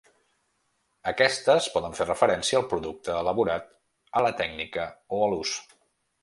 Aquestes poden fer referència al producte elaborat, a la tècnica o a l'ús.